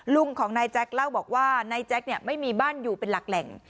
ลุงของนายแจ๊คเล่าบอกว่านายแจ๊คไม่มีบ้านอยู่เป็นหลักแหล่ง